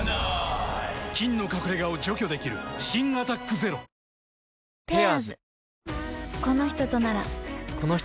菌の隠れ家を除去できる新「アタックＺＥＲＯ」イケメン大集合！